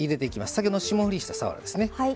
先ほど霜降りした、さわらですね。